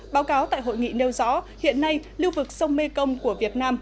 báo cáo tại hội nghị nêu rõ hiện nay lưu vực sông mê công của việt nam